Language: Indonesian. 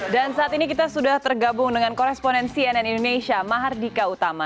dan saat ini kita sudah tergabung dengan koresponen cnn indonesia mahardika utama